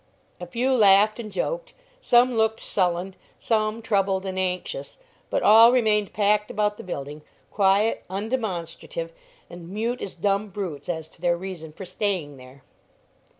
A few laughed and joked, some looked sullen, some troubled and anxious, but all remained packed about the building, quiet, undemonstrative, and mute as dumb brutes as to their reason for staying there.